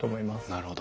なるほど。